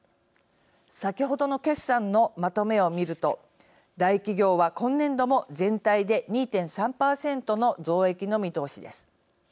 先ほどの決算のまとめを見ると大企業は、今年度も全体で２．３％の増益の見通しです。